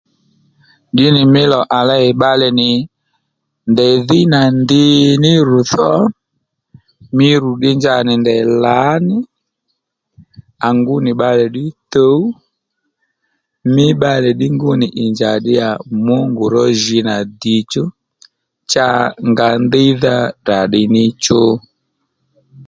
Ddǐnì mí lò à ley bbalè nì ndey dhíy nà ndíy nì rù tho mí rù ddí nja nì ndèy lǎní à ngu nì bbalè ddí tǔw mí bbalè ddí ngú nì ì njà ddíyà Mungu ró ji nà dǐchú cha nga ndíydha tdrà ddiy níchú